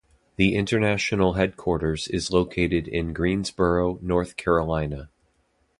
The International Headquarters is located in Greensboro, North Carolina.